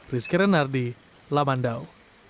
rizky renardi lamandau